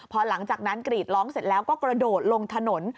พอหลังจากนั้นกรีดร้องเสร็จแล้วก็กระโดดลงถนน